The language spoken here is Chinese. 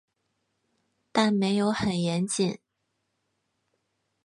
但没有很严谨